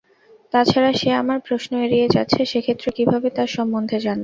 তাছাড়া সে আমার প্রশ্ন এড়িয়ে যাচ্ছে, সেক্ষেত্রে কিভাবে তার সম্বন্ধে জানব?